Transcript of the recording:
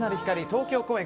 東京公演